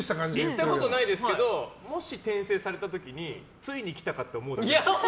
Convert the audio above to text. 行ったことないですけどもし転生された時についに来たかって思う。